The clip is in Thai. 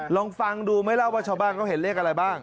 ลองฟังดูไหมล่ะว่าชาวบ้านเขาเห็นเลขอะไรบ้าง